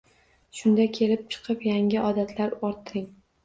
Shunda kelib chiqib yangi odatlar orttiring